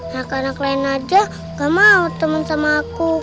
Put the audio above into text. nah karena kalian aja nggak mau teman sama aku